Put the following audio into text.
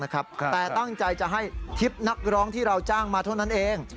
คลิปนักร้องที่เราจ้างมาเท่านั้นเอง